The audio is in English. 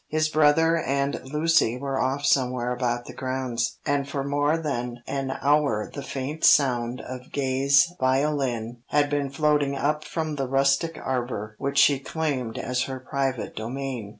His brother and Lucy were off somewhere about the grounds, and for more than an hour the faint sound of Gay's violin had been floating up from the rustic arbour, which she claimed as her private domain.